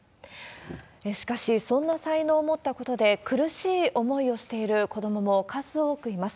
しかし、そんな才能を持ったことで苦しい思いをしている子どもも数多くいます。